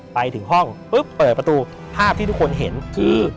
ไปถึงห้องปุ๊บเปิดประตูภาพที่ทุกคนเห็นคือ